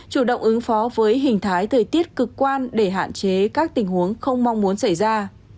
chủ động ứng phó với hình thái thời tiết cực quan để hạn chế các tình huống không mong muốn xảy ra